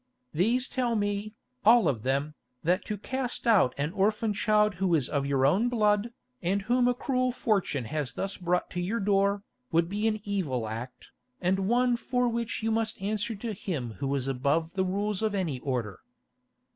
These tell me, all of them, that to cast out an orphan child who is of your own blood, and whom a cruel fortune has thus brought to your door, would be an evil act, and one for which you must answer to Him who is above the rules of any order."